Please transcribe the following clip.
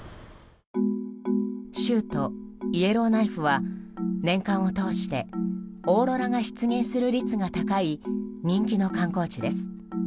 州都イエローナイフは年間を通してオーロラが出現する率が高い人気の観光地です。